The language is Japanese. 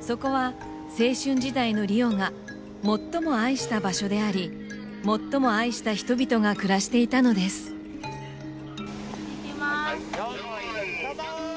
そこは青春時代の梨央が最も愛した場所であり最も愛した人々が暮らしていたのですいきまーす・用意スタート